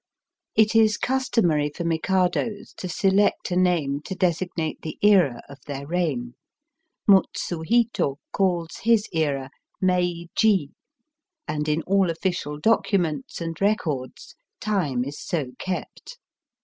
It is customary for Mikados to select a name to designate the era of their reign. Mutsu Hito calls his era " Mei ji," and in all official documents and records time is so kept.